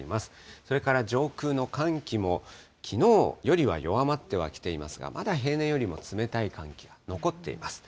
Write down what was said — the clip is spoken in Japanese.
それから上空の寒気もきのうよりは弱まってはきていますが、まだ平年よりも冷たい寒気が残っています。